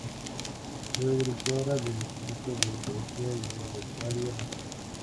Fue directora del "Instituto de Ecología" y del "Herbario Nacional".